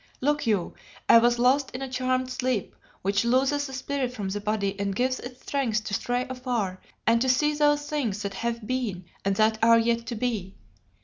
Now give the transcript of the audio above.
"Look you, I was lost in a charmed sleep which looses the spirit from the body and gives it strength to stray afar and to see those things that have been and that are yet to be.